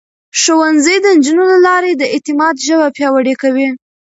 ښوونځی د نجونو له لارې د اعتماد ژبه پياوړې کوي.